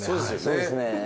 そうですねはい。